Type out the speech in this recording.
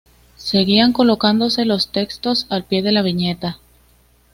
Seguían colocándose los textos al pie de la viñeta.